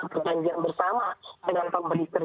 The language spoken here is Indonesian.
perjanjian bersama dengan pembeli